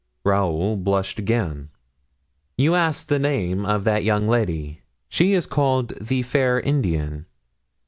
Raoul blushed again. "You asked the name of that young lady. She is called the fair Indian."